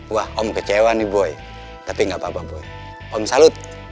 wah om kecewa nih boy tapi nggak papa boy om salut